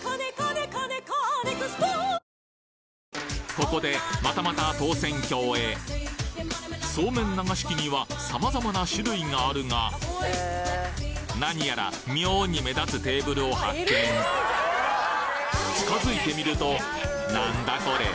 ここでまたまたそうめん流し器にはさまざまな種類があるがなにやら妙に目立つテーブルを発見近づいてみるとなんだこれ？